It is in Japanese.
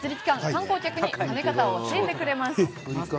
観光客に跳ね方を教えています。